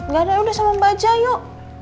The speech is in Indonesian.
gak ada udah sama mbak jaya yuk